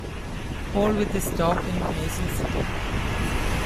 Paul with a stop in Mason City.